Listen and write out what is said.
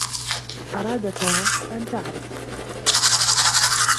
أراد توم أن تعرف.